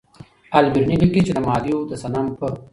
البېروني لیکي چې د مهادیو د صنم په